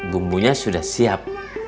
gumbunya sudah siap